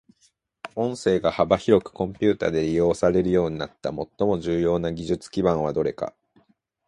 音声が幅広くコンピュータで利用されるようになった最も重要な技術基盤はどれか。